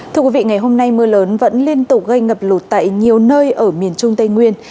thưa quý vị ngày hôm nay mưa lớn vẫn liên tục gây ngập lụt tại nhiều nơi ở miền trung tây nguyên